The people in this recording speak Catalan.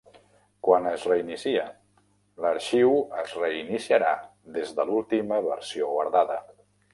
Quan es reinicia, l'arxiu es reiniciarà des de l'última versió guardada.